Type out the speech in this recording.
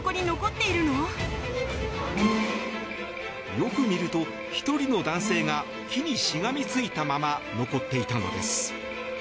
よく見ると、１人の男性が木にしがみついたまま残っていたのです。